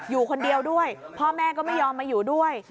อยู่คนเดียวด้วยพ่อแม่ก็ไม่ยอมมาอยู่ด้วย